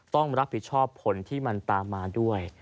ต้องรับผิดชอบผลที่มันตามมาด้วย